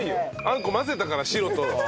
あんこ混ぜたから白と粒とこし。